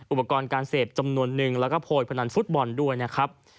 อุปกรณ์การเสพจำนวนนึงแล้วก็โพยพนันฟุตบอลด้วยนะครับ